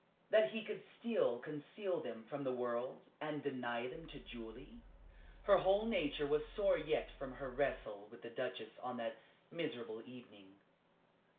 that he could still conceal them from the world, and deny them to Julie? Her whole nature was sore yet from her wrestle with the Duchess on that miserable evening.